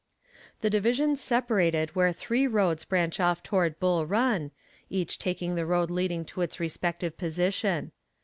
The divisions separated where three roads branch off toward Bull Run, each taking the road leading to its respective position.